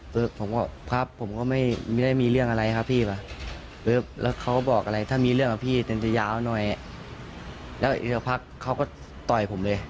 ปึ๊บผมก็ครับผมก็ไม่ได้มีเรื่องอะไรครับพี่ว่าปึ๊บแล้วเขาก็บอกอะไรถ้ามีเรื่องว่าพี่จะยาวหน่อยแล้วเดี๋ยวพักเขาก็ต่อยผมเลย